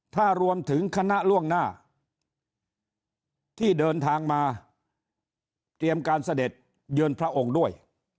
ถ้ารวมถึงคณะล่วงหน้าที่เดินทางมาเตรียมการเสด็จเยือนพระองค์ด้วย